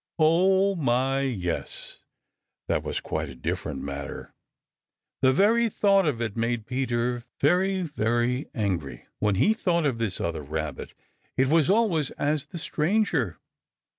Oh, my, yes! That was quite a different matter! The very thought of it made Peter very, very angry. When he thought of this other Rabbit, it was always as the stranger.